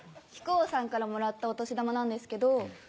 木久扇さんからもらったお年玉なんですけど。